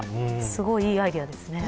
すごいいいアイデアですね。